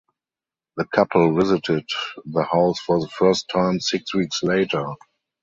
The couple visited the house for the first time six weeks later.